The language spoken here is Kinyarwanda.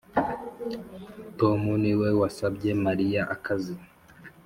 tom niwe wasabye mariya akazi.